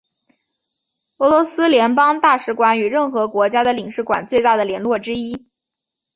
俄罗斯联邦大使馆与任何国家的领事馆的最大的联络之一。